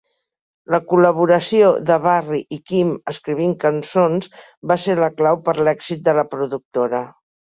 La col·laboració de Barry i Kim escrivint cançons va ser la clau per l'èxit de la productora.